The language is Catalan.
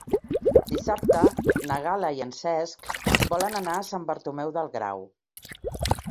Dissabte na Gal·la i en Cesc volen anar a Sant Bartomeu del Grau.